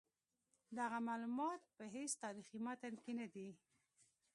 دغه معلومات په هیڅ تاریخي متن کې نه دي.